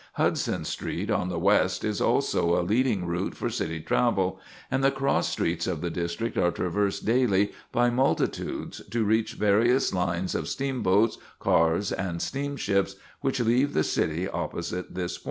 Hudson Street on the west is also a leading route for city travel; and the cross streets of the district are traversed daily by multitudes to reach various lines of steamboats, cars, and steamships, which leave the city opposite this point.